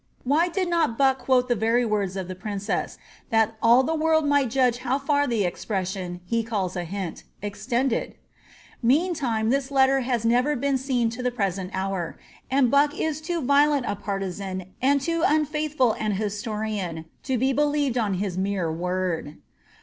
Why did not Bueke quote the Tery words of the princess^ thai all the world might judge how fiur the expression, he calls a hUUj extended ? Meantime this letter has never been seen to the present hour, and Bucke is too Tiolent a par* tisan and too unfaithful an historian to be believed on his mere word.